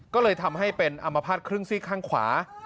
ก็เลยทำให้เป็นอัมพาตครึ่งซี่ข้างขวา